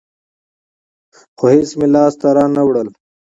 خو هېڅ مې لاس ته رانه وړل.